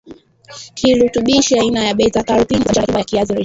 kirutubishi aina ya beta karotini husababisha rangi ya chungwa ya kiazi lishe